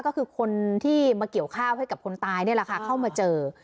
ก็คือคนที่มาเกี่ยวข้าวให้กับคนตายนี่แหละค่ะเข้ามาเจอ